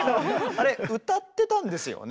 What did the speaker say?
あれ歌ってたんですよね？